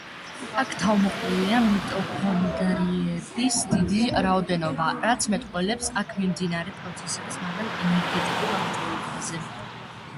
აქ თავმოყრილია მიტოქონდრიების დიდი რაოდენობა, რაც მეტყველებს აქ მიმდინარე პროცესების მაღალ ენერგეტიკულ აქტივობაზე.